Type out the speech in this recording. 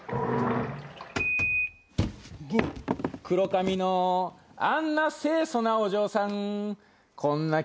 黒髪のあんな清楚なお嬢さん